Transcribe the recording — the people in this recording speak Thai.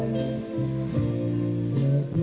นายยกรัฐมนตรีพบกับทัพนักกีฬาที่กลับมาจากโอลิมปิก๒๐๑๖